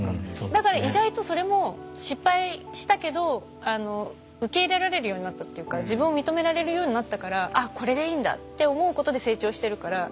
だから意外とそれも失敗したけど受け入れられるようになったっていうか自分を認められるようになったから「あっこれでいいんだ」って思うことで成長してるから。